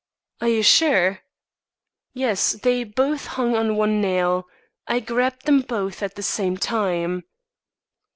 "Are you sure?" "Yes; they both hung on one nail. I grabbed them both at the same time."